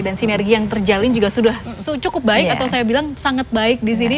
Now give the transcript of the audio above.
dan sinergi yang terjalin juga sudah cukup baik atau saya bilang sangat baik di sini